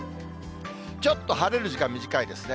ちょっと晴れる時間短いですね。